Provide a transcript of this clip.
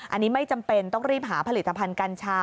อันนี้ไม่จำเป็นต้องรีบหาผลิตภัณฑ์กัญชา